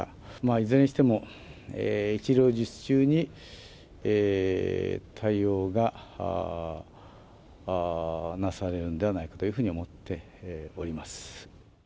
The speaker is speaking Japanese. いずれにしても一両日中に対応がなされるんではないかというふうに思っております。